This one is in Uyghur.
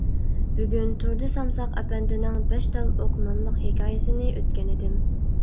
بۈگۈن تۇردى سامساق ئەپەندىنىڭ «بەش تال ئوق» ناملىق ھېكايىسىنى ئۆتكەنىدىم.